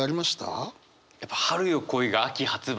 やっぱ「春よ、来い」が秋発売。